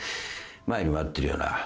前にも会ってるよな。